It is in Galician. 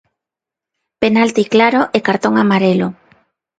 Penalti claro e cartón marelo.